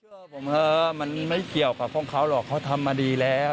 พ่อผมมันไม่เกี่ยวกับพวกเขาหรอกเขาทำมาดีแล้ว